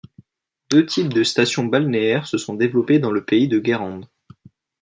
Deux types de stations balnéaires se sont développés dans le pays de Guérande.